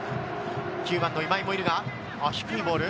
今井もいるが、低いボール。